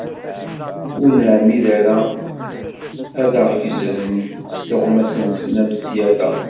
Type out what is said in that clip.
Ur neɛmid ara a aɣ-gezren s tuɣmas-nsen am ssyada.